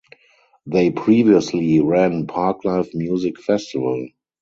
They previously ran Parklife Music Festival.